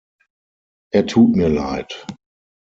Er tut mir Leid.